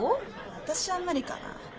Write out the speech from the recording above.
私は無理かな。